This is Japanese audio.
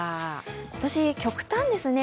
今年、極端ですね